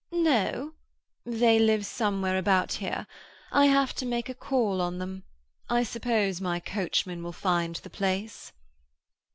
"No? They live somewhere about here. I have to make a call on them. I suppose my coachman will find the place."